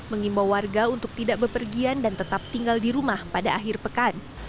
mengimbau warga untuk tidak berpergian dan tetap tinggal di rumah pada akhir pekan